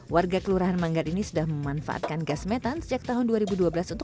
warga kelurahan manggar ini sudah memanfaatkan gas metan sejak tahun dua ribu dua belas untuk